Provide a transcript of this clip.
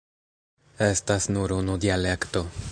Estas nur unu dialekto.